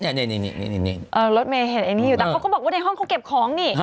นี่รถเมย์เห็นอันนี้อยู่แต่เขาก็บอกว่าในห้องเขาเก็บของนี่